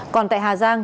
còn tại hà giang